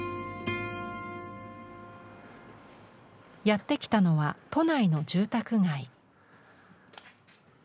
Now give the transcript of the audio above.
やって来たのは都内の住宅街。